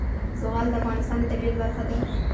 زغال د افغانستان د طبیعت برخه ده.